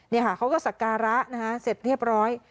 นี่ค่ะเขาก็สักการะนะคะเสร็จเรียบร้อย